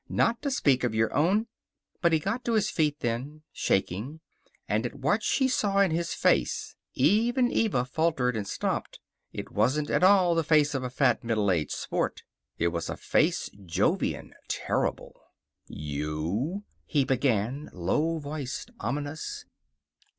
Not to speak of your own " But he got to his feet then, shaking, and at what she saw in his face even Eva faltered and stopped. It wasn't at all the face of a fat, middle aged sport. It was a face Jovian, terrible. "You!" he began, low voiced, ominous.